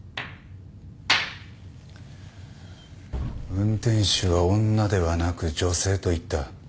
運転手は「女」ではなく「女性」と言った。